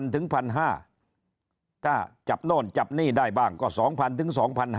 ถึง๑๕๐๐บาทถ้าจับโน่นจับหนี้ได้บ้างก็๒๐๐ถึง๒๕๐๐